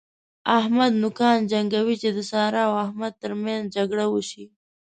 احمد نوکان جنګوي چې د سارا او احمد تر منځ جګړه وشي.